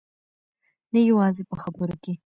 نه یوازې په خبرو کې.